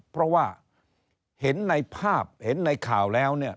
เพราะว่าเห็นในภาพเห็นในข่าวแล้วเนี่ย